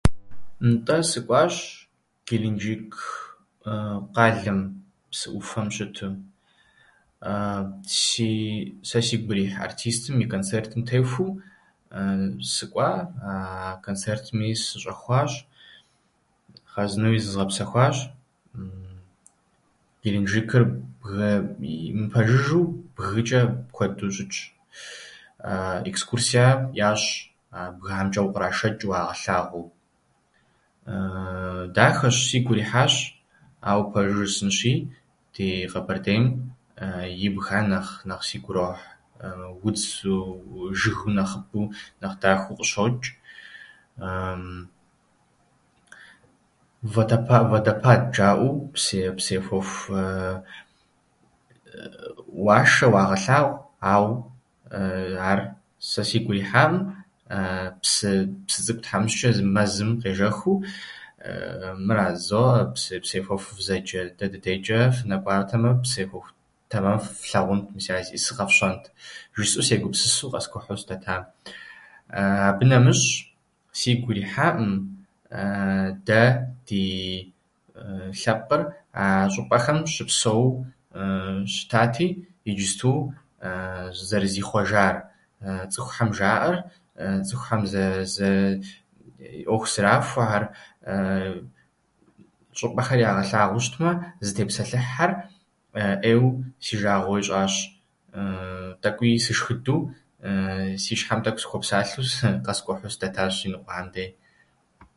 Нтӏэ, сыкӏуащ Геленжик къалэм, псы ӏуфэм щытым. си- Сэ сигу ирихь артистым и концертым техуэу сыкӏуа, а концертми сыщӏэхуащ, хъарзынэуи зызгъэпсэхуащ, Геленжикыр бгы- мыпэжыжэу бгычӏэ куэду щытщ. Экскурсие ящӏ а бгыхьэмчӏэ укърашэчӏу, уагъэлъагъуу. Дахэщ, сигу ирихьащ, ауэ пэжу жысӏэнщи, ди Къэбэрдейм ибгхьэр нэхъ- нэхъ сигу ирохь, удз- жыг нэхъыбэу, нэхъ дахэу къыщочӏ, водопа- водопад жаӏэу, псые- псыехуэху уашэ, уагъэлъагъу, ау ар сэ сигу ирихьаӏым. Псы- псы цӏыкӏу тхьэмыщчӏэ зы мэзым къежэхыу мыра жызоӏэ псы- псыехуэху фызэджэр? Дэ ди дейчӏэ фынэкӏуатэмэ, псыехуэху тэмэм флъэгъунт, мис ар зиӏысыр къэфщӏэнт жысӏэу, сегупсысу къэскӏухьу сыдэта. Абы нэмыщӏ сигу ирихьаӏым дэ ди лъэпкъыр а щӏыпӏэхэм щыпсэууэ щытати, иджыпсту зэрызихъуэжар. Цӏыхухьэм жаӏэр, цӏыхухьэм зэ- зы ӏуэху зырахуэхьэр, щӏыпӏэхьэр ягъэлъагъуэу щытмэ, зытепсэлъыхьхьэр ӏейуэ си жагъуэ ищӏащ. Тӏэкуи сышхыдэу, си щхьэм тӏэкӏу сыхуэпсалъэу къэскӏухьу сыдэтащ иныкъуэхэм де.